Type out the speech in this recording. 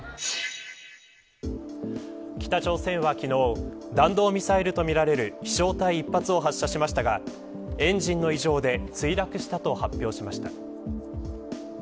北朝鮮は昨日弾道ミサイルとみられる飛しょう体１発を発射しましたがエンジンの異常で墜落したと発表しました。